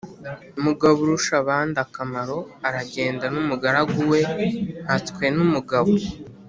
mugaburushabandakamaro aragenda n' umugaragu we mpatswenumugabo.